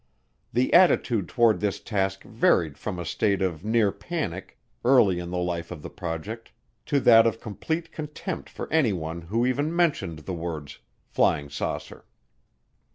The attitude toward this task varied from a state of near panic, early in the life of the project, to that of complete contempt for anyone who even mentioned the words "flying saucer."